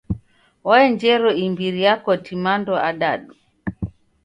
Waenjero imbiri ya koti mando adadu.